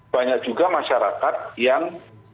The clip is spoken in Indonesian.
banyak juga masyarakat yang